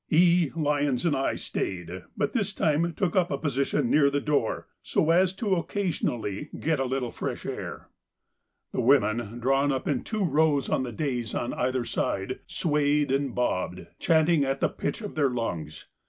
E., Lyons, and I stayed, but this time took up a position near the door so as to occasionally get a little fresh air. The women, drawn up in two rows on the dais on either side, swayed and bobbed, chanting at the pitch of their lungs.